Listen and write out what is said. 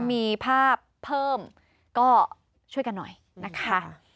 มีภาพเพิ่มก็ช่วยกันหน่อยนะคะ